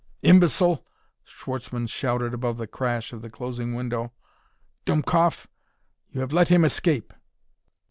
"Imbecile!" Schwartzmann shouted above the crash of the closing window. "Dumkopff! You have let him escape.